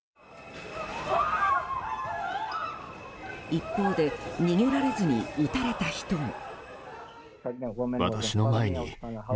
一方で逃げられずに撃たれた人も。